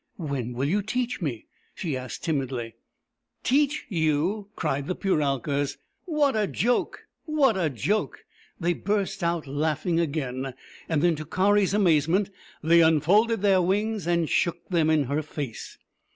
" When will you teach me ?" she asked timidly. " Teach you !" cried the Puralkas. " What a joke ! What a joke !" They burst out laughing again. Then, to Kari's amazement, they unfolded their wings and shook them in her face.